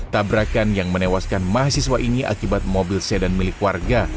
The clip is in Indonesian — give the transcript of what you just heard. tabrakan yang menewaskan mahasiswa ini akibat mobil sedan milik warga